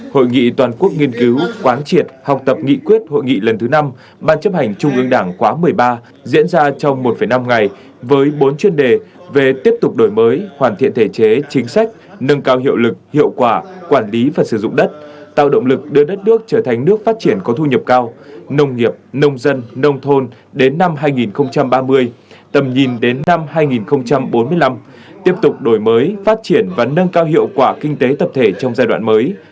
hội nghị toàn quốc nghiên cứu quán triệt học tập nghị quyết hội nghị lần thứ năm mà chấp hành trung ương đảng quá một mươi ba diễn ra trong một năm ngày với bốn chuyên đề về tiếp tục đổi mới hoàn thiện thể chế chính sách nâng cao hiệu lực hiệu quả quản lý và sử dụng đất tạo động lực đưa đất nước trở thành nước phát triển có thu nhập cao nông nghiệp nông dân nông thôn đến năm hai nghìn ba mươi tầm nhìn đến năm hai nghìn bốn mươi năm tiếp tục đổi mới phát triển và nâng cao hiệu quả kinh tế tập thể trong giai đoạn mới